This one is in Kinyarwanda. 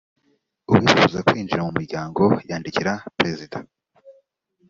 uwifuza kwinjira mu muryango yandikira perezida